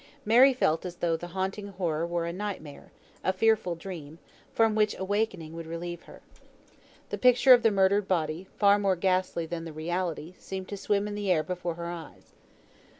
Mary felt as though the haunting horror were a nightmare, a fearful dream, from which awakening would relieve her. The picture of the murdered body, far more ghastly than the reality, seemed to swim in the air before her eyes.